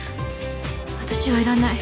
私はいらない。